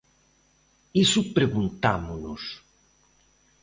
Iso preguntámonos.